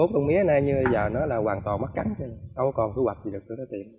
bốn công mía này như bây giờ nó là hoàn toàn mắt trắng đâu có còn thu hoạch gì được cho nó tiện